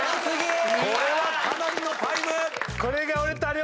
これはかなりのタイム。